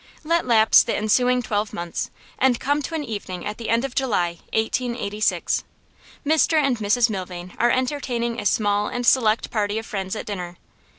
Let lapse the ensuing twelve months, and come to an evening at the end of July, 1886. Mr and Mrs Milvain are entertaining a small and select party of friends at dinner.